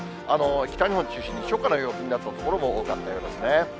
北日本中心に初夏の陽気になった所も多かったようですね。